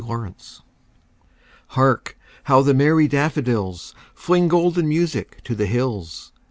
Spring HARK how the merry daffodils, Fling golden music to the hills!